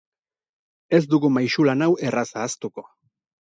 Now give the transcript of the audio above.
Ez dugu maisulan hau erraz ahaztuko.